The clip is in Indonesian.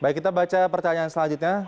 baik kita baca pertanyaan selanjutnya